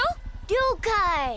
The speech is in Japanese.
りょうかい。